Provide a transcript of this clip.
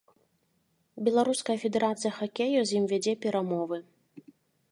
Беларуская федэрацыя хакею з ім вядзе перамовы.